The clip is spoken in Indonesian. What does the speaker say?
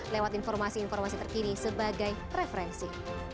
lewat informasi informasi terkini sebagai referensi